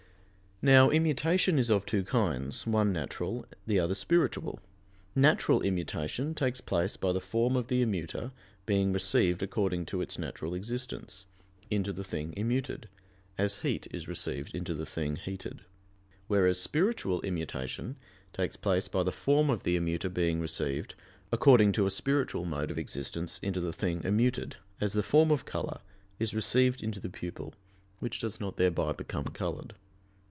Now, immutation is of two kinds, one natural, the other spiritual. Natural immutation takes place by the form of the immuter being received according to its natural existence, into the thing immuted, as heat is received into the thing heated. Whereas spiritual immutation takes place by the form of the immuter being received, according to a spiritual mode of existence, into the thing immuted, as the form of color is received into the pupil which does not thereby become colored.